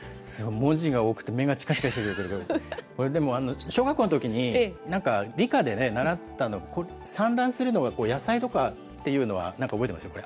文字が多くて目がちかちかするんですけれども、これでも、小学校のときに、なんか理科でね、習ったの、産卵するのが野菜とかっていうのは、なんか覚えてますよ。